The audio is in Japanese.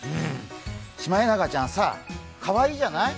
シマエナガちゃんさかわいいじゃない？